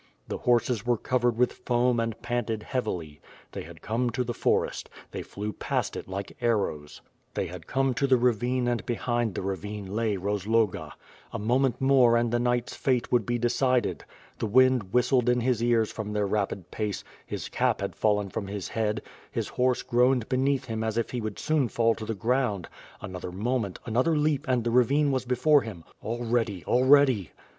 The horses were covered with foam and panted heavily. They had come to the forest. They flew past it like arrows. They had come to the ravine and behind the ravine lav Rozloga. A mo ment more and the Icnighfs fate would be decided. The wind whistled in his ears from their rapid pace; his cap had fallen from his head; his horse groaned beneath him as if he would soon fall to the ground: another moment, another leap and the ravine was before him. Already, already!